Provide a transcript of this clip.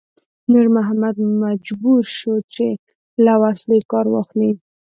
نور محمد مجبور شو چې له وسلې کار واخلي.